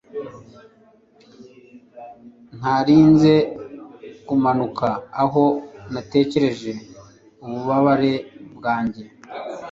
Ntarinze kumanuka aho natekereje ububabare bwanjye